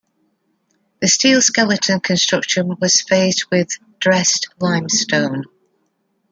The steel skeleton construction was faced with dressed limestone.